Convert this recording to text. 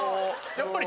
やっぱり。